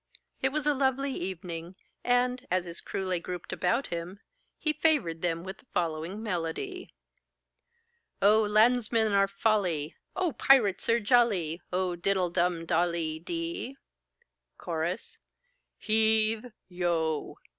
It was a lovely evening; and, as his crew lay grouped about him, he favoured them with the following melody: O landsmen are folly! O pirates are jolly! O diddleum Dolly, Di! Chorus.—Heave yo.